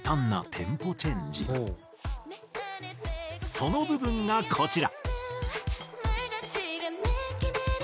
その部分がこちら。